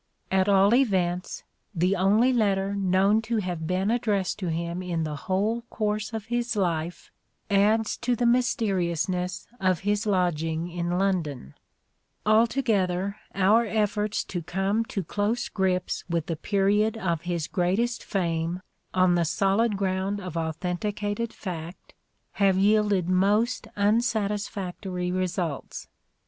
At all events the only letter known to have been addressed to him in the whole course of his life adds to the mysteriousness of his lodging in London, shrinkage Altogether our efforts to come to close grips with tne Period of his greatest fame, on the solid ground of authenticated fact, have yielded most unsatis factory results.